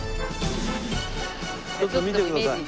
ちょっと見てください。